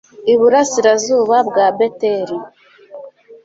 iburasirazuba bwa beteli